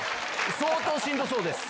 相当しんどそうです。